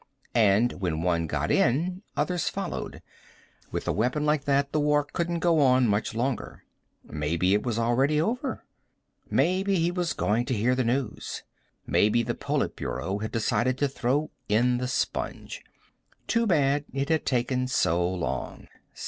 And when one got in others followed. With a weapon like that the war couldn't go on much longer. Maybe it was already over. Maybe he was going to hear the news. Maybe the Politburo had decided to throw in the sponge. Too bad it had taken so long.